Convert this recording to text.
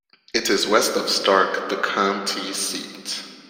It is west of Starke, the county seat.